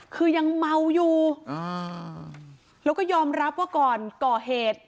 คือยังเมาอยู่อ่าแล้วก็ยอมรับว่าก่อนก่อเหตุ